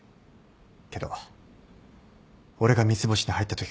けど俺が三ツ星に入ったときからずっと。